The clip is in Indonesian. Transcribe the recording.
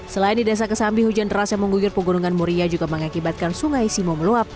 selain di desa kesambi hujan deras yang mengguyur pegunungan muria juga mengakibatkan sungai simo meluap